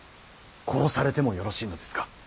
殺されてもよろしいのですか。